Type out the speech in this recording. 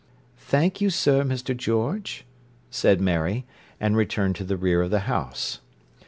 "Thank you, sir, Mister George," said Mary; and returned to the rear of the house.